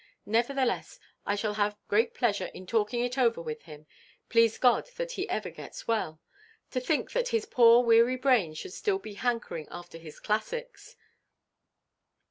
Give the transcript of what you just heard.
Nevertheless, I shall have great pleasure in talking it over with him, please God that he ever gets well. To think that his poor weary brain should still be hankering after his classics!"